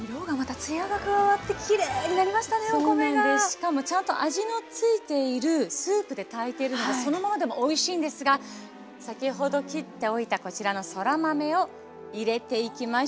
しかもちゃんと味の付いているスープで炊いてるのでそのままでもおいしいんですが先ほど切っておいたこちらのそら豆を入れていきましょう。